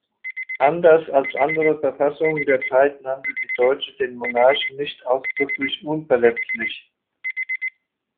Anders als andere Verfassungen der Zeit nannte die deutsche den Monarchen nicht ausdrücklich „unverletzlich“.